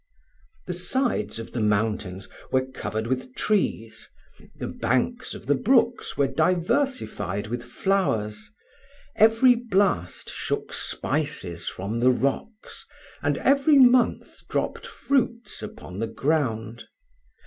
The sides of the mountains were covered with trees, the banks of the brooks were diversified with flowers; every blast shook spices from the rocks, and every month dropped fruits upon the ground.